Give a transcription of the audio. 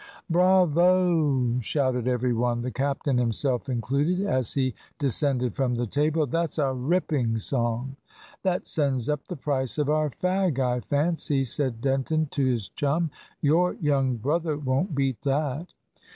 "Bravo," shouted every one, the captain himself included, as he descended from the table; "that's a ripping song." "That sends up the price of our fag, I fancy," said Denton to his chum. "Your young brother won't beat that."